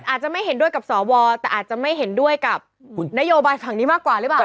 อาจจะไม่เห็นด้วยกับสวแต่อาจจะไม่เห็นด้วยกับนโยบายฝั่งนี้มากกว่าหรือเปล่า